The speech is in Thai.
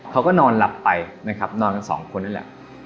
เขาก็นอนหลับไปนะครับนอนกันสองคนนั่นแหละ